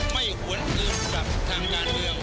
ไม่หวนอื่นกับทางด้านเรือง